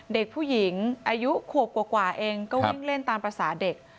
เด็กผู้หญิงอายุขวบกว่าเองก็วิ่งเล่นตามภาษาเด็ก